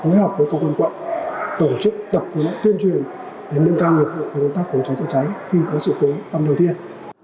phối hợp với công an quận tổ chức tập phòng cháy chữa cháy tuyên truyền đến những cao nghiệp vụ phòng cháy chữa cháy khi có sự cố năm đầu tiên